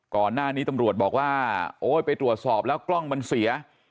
ก่อนหน้านี้ตำรวจบอกว่าโอ๊ยไปตรวจสอบแล้วกล้องมันเสีย